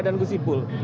dan gus wipul